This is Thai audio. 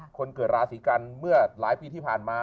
คนเกิดราศีกันเมื่อหลายปีที่ผ่านมา